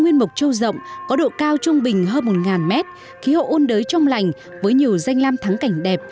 nguyên mộc châu rộng có độ cao trung bình hơn một mét khí hậu ôn đới trong lành với nhiều danh lam thắng cảnh đẹp